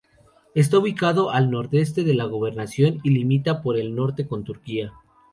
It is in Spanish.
Está ubicado al nordeste de la gobernación y limita por el norte con Turquía.